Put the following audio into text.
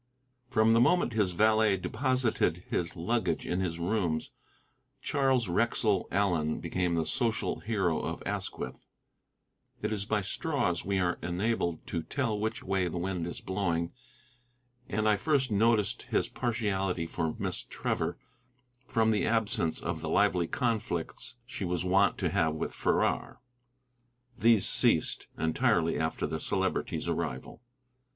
From the moment his valet deposited his luggage in his rooms, Charles Wrexell Allen became the social hero of Asquith. It is by straws we are enabled to tell which way the wind is blowing, and I first noticed his partiality for Miss Trevor from the absence of the lively conflicts she was wont to have with Farrar. These ceased entirely after the Celebrity's arrival.